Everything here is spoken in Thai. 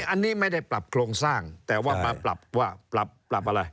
อันนี้ไม่ได้ปรับโครงสร้างแต่ว่ามาปรับว่าปรับปรับอะไร